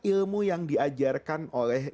ilmu yang diajarkan oleh